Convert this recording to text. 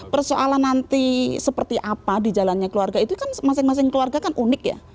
persoalan nanti seperti apa di jalannya keluarga itu kan masing masing keluarga kan unik ya